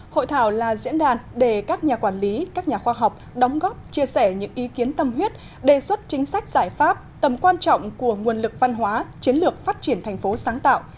hội thảo là diễn đàn để các nhà quản lý các nhà khoa học đóng góp chia sẻ những ý kiến tâm huyết đề xuất chính sách giải pháp tầm quan trọng của nguồn lực văn hóa chiến lược phát triển thành phố sáng tạo